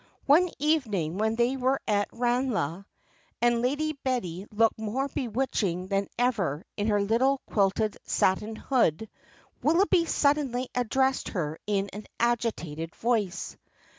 One evening when they were at Ranelagh, and Lady Betty looked more bewitching than ever in her little quilted satin hood, Willoughby suddenly addressed her in an agitated voice.